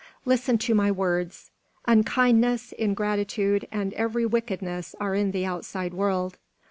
Listen to my words. Unkindness, ingratitude, and every wickedness are in the outside world.